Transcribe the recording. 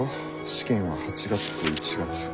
試験は８月と１月。